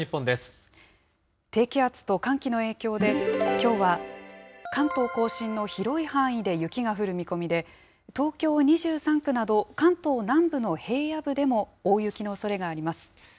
低気圧と寒気の影響で、きょうは関東甲信の広い範囲で雪が降る見込みで、東京２３区など、関東南部の平野部でも大雪のおそれがあります。